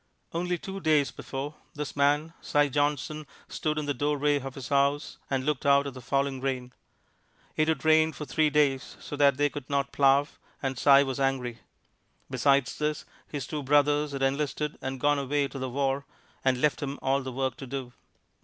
Only two days before, this man, Si Johnson, stood in the doorway of his house and looked out at the falling rain. It had rained for three days, so that they could not plow, and Si was angry. Besides this, his two brothers had enlisted and gone away to the War and left him all the work to do.